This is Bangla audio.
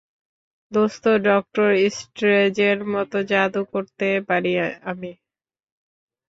দোস্ত, ডক্টর স্ট্রেঞ্জের মতো জাদু করতে পারি আমি।